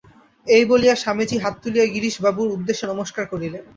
এই বলিয়া স্বামীজী হাত তুলিয়া গিরিশবাবুর উদ্দেশে নমস্কার করিলেন।